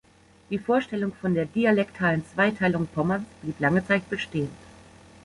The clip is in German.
Die Vorstellung von der dialektalen Zweiteilung Pommerns blieb lange Zeit bestehen.